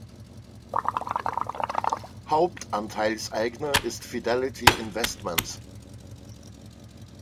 Hauptanteilseigner ist Fidelity Investments.